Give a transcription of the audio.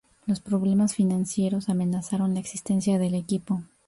Los problemas financieros amenazaron la existencia del equipo.